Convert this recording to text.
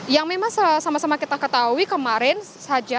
yang memang sama sama kita ketahui kemarin saja